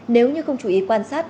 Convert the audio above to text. nếu như không chú ý quan sát